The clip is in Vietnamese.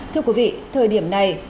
thưa quý vị thời điểm này